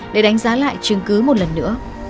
để đánh giá lại chứng cứ một lần nữa